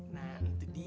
nah itu dia